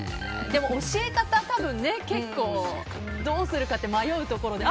でも教え方が多分、結構どうするかって迷うところで。